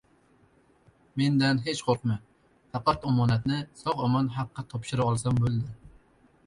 Mandan hech qo‘rqma… faqat omonatni sog‘-omon Haqqa topshira olsam bo‘ldi…